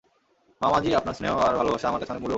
মামাজি, আপনার স্নেহ আর ভালোবাসা আমার কাছে অনেক মুল্যবান।